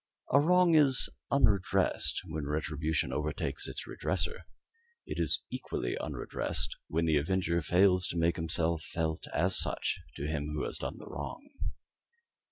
A wrong is unredressed when retribution overtakes its redresser. It is equally unredressed when the avenger fails to make himself felt as such to him who has done the wrong.